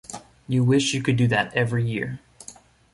You wish you could do that every year.